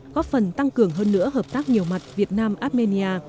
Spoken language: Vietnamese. góp phần tăng cường hơn nữa hợp tác nhiều mặt việt nam armenia